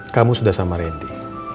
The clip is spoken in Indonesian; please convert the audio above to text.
kamu sudah sama randy